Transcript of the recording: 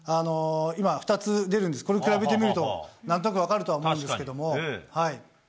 今、２つ出るんですけど、これ比べてみると、なんとなく分かるとは思うんですけれども。